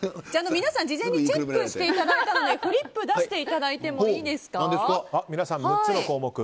皆さん、事前にチェックしていただいたのでフリップを出していただいてもいいですか。